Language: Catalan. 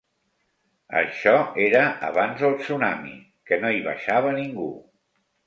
Això era abans del tsunami, que no hi baixava ningú.